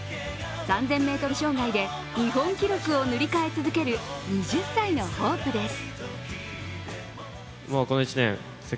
３０００ｍ障害で日本記録を塗り替え続ける２０歳のホープです。